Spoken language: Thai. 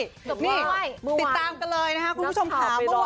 จบเว้ยเมื่อวานนักข่าวไปรอ๘ชั่วโมงติดตามกันเลยนะครับคุณผู้ชมขาว